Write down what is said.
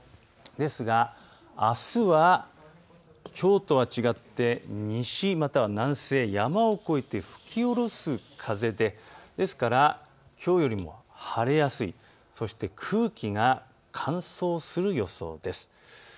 ですが、あすは、きょうと違って、西または南西、山を越えて吹き降ろす風できょうより晴れやすい、そして空気が乾燥する予想です。